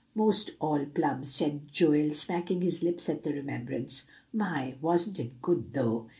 "Most all plums," said Joel, smacking his lips at the remembrance. "My! wasn't it good, though!"